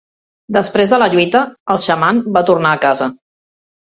Després de la lluita, el xaman va tornar a casa.